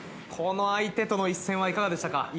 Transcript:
この相手との一戦はいかがでしたか？